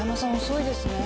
遅いですね。